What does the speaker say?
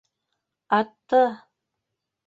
Атты!